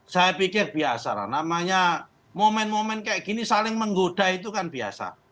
saya pikir biasa lah namanya momen momen kayak gini saling menggoda itu kan biasa